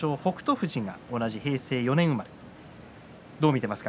富士は平成４年生まれどう見ていますか？